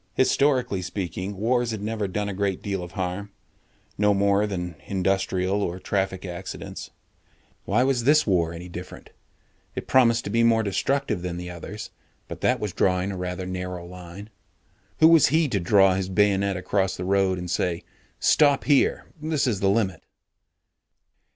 Historically speaking, wars had never done a great deal of harm no more harm than industrial or traffic accidents. Why was this war any different? It promised to be more destructive than the others, but that was drawing a rather narrow line. Who was he to draw his bayonet across the road and say, "Stop here. This is the limit."